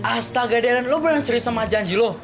astaga darren lo berenang serius sama janji lo